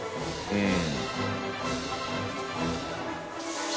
うん。